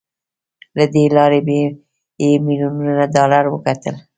له دې لارې يې ميليونونه ډالر وګټل.